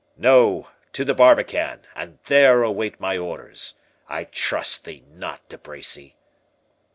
"No. To the barbican, and there wait my orders. I trust thee not, De Bracy."